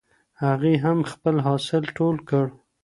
هغې هم خپل حاصل ټول کړ.